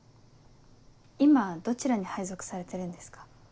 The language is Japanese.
今どちらに配属されてるんですか？